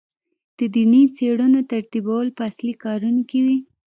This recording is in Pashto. د دیني څېړنو ترتیبول په اصلي کارونو کې وي.